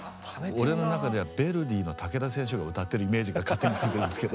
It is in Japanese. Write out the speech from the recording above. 俺の中ではヴェルディの武田選手が歌ってるイメージが勝手についてるんですけど。